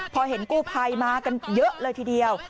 พอเห็นกู้ภัยมากันเยอะเลยทีเดียว